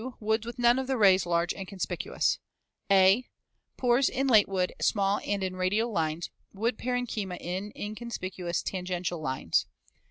Woods with none of the rays large and conspicuous. (a) Pores in late wood small and in radial lines, wood parenchyma in inconspicuous tangential lines.